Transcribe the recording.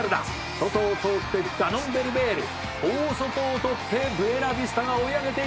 「外を通ってるダノンベルベール」「大外を取ってブエナビスタが追い上げていくか！？」